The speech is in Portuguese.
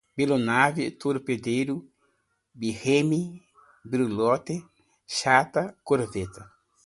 Belonaves, torpedeiro, birreme, brulote, chata, corveta